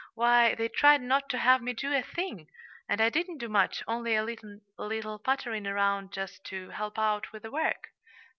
Why, they tried not to have me do a thing and I didn't do much, only a little puttering around just to help out with the work."